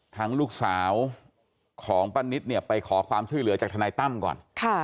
ทั้งลูกสาวของป้านิตเนี่ยไปขอความช่วยเหลือจากทนายตั้มก่อน